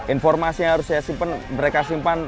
informasi yang harus saya simpan mereka simpan